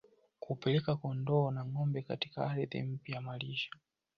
Kupeleka kondoo na ngombe katika ardhi mpya ya malisho